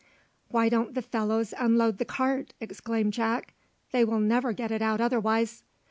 "Why don't the fellows unload the cart?" exclaimed Jack; "they will never get it out otherwise."